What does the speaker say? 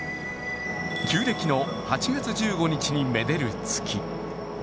旧暦の８月１５日にめでる月。